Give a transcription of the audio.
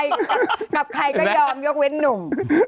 กับใครก็ยอมยกเว้นหนุ่ม